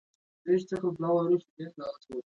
ناراضي قواوو څخه د خطر احساس کاوه.